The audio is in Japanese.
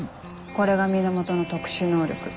これが源の特殊能力。